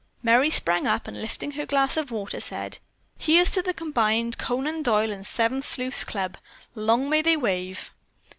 Merry sprang up and, lifting her glass of water, she said: "Here's to the combined Conan Doyle and Seven Sleuths' Clubs. Long may they wave."